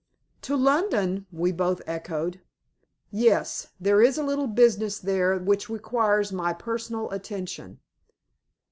"To London?" we both echoed. "Yes. There is a little business there which requires my personal attention."